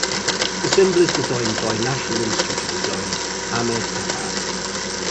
The symbol is designed by National Institute of Design, Ahmedabad.